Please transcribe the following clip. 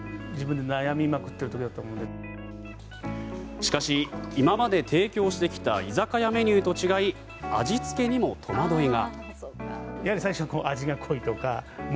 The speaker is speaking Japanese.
しかし今まで提供してきた居酒屋メニューと違い味付けにも戸惑いが。